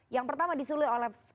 yang pertama disulih oleh